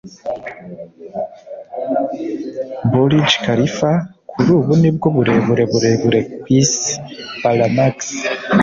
burj khalifa kuri ubu ni bwo burebure burebure ku isi. (balamax